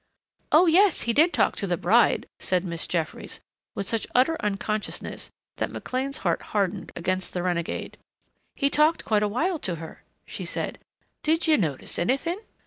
"Oh, yes, he did talk to the bride," said Miss Jeffries with such utter unconsciousness that McLean's heart hardened against the renegade. "He talked quite a while to her," she said. "Did you notice anything